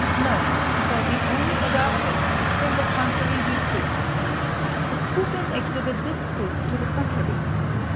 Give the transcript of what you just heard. No, for we only adopt it till the contrary be proved. But who can exhibit this proof to the contrary?